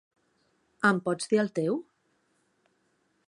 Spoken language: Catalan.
Em pots dir el teu.?